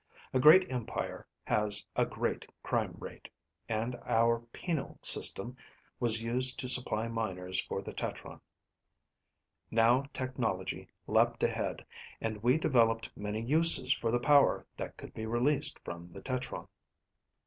A great empire has a great crime rate, and our penal system was used to supply miners for the tetron. Now technology leaped ahead, and we developed many uses for the power that could be released from the tetron.